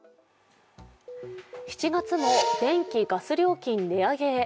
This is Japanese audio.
７月も電気・ガス料金値上げへ。